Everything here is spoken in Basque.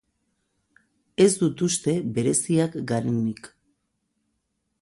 Ez dut uste bereziak garenik.